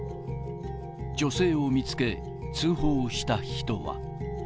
女性を見つけ、通報をした人は。